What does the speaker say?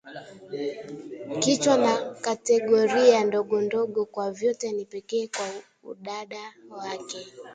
Kichwa na kategoria ndogondogo kwa vyote ni pekee kwa udada wake